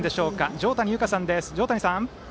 条谷有香さんです。